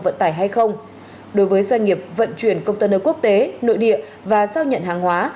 vận tải hay không đối với doanh nghiệp vận chuyển công tân ở quốc tế nội địa và sau nhận hàng hóa